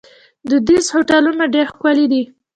دودیز هوټلونه ډیر ښکلي دي.